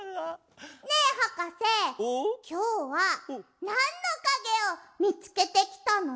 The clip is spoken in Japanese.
きょうはなんのかげをみつけてきたの？